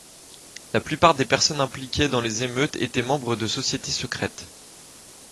La plupart des personnes impliquées dans les émeutes étaient membres de sociétés secrètes.